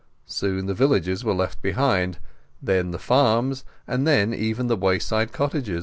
Soon the villages were left behind, then the farms, and then even the wayside cottage.